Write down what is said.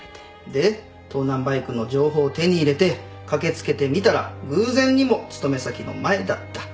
で盗難バイクの情報を手に入れて駆け付けてみたら偶然にも勤め先の前だった。